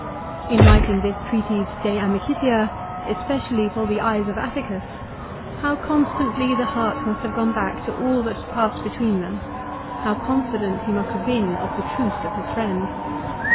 In writing this treatise " De Amicitia," especially for the eyes of Atticus, how constantly the heart must have gone back to all that had passed between them, how confident he must have been of the truth of his friend